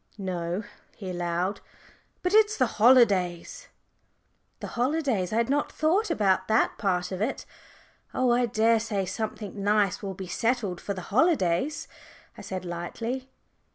"No," he allowed, "but it's the holidays." The holidays! I had not thought about that part of it. "Oh, I daresay something nice will be settled for the holidays," I said lightly.